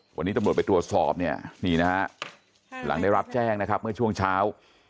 วันนี้ตำรวจไปตรวจสอบเนี่ยนี่นะฮะหลังได้รับแจ้งนะครับเมื่อช่วงเช้า